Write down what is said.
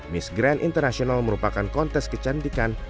miss grand international merupakan kontes kecantikan